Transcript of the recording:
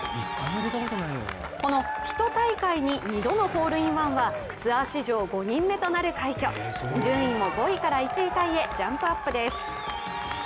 この１大会に２度のホールインワンはツアー史上５人目となる快挙順位も５位から１位タイへジャンプアップです。